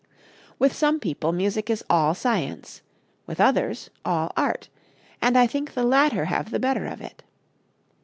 With some people music is all science, with others all art, and I think the latter have the better of it.